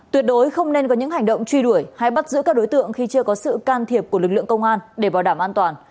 tuyệt đối không nên có những hành động truy đuổi hay bắt giữ các đối tượng khi chưa có sự can thiệp của lực lượng công an để bảo đảm an toàn